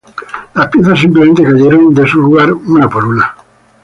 Las piezas simplemente cayeron en su lugar una por una.